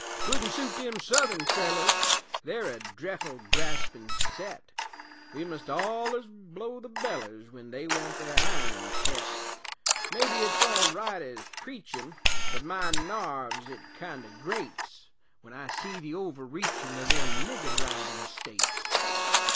'Twouldn't suit them Southun fellers, They're a dreffle graspin' set, We must ollers blow the bellers Wen they want their irons het; Maybe it's all right ez preachin', But my narves it kind o' grates, Wen I see the overreachin' O' them nigger drivin' States.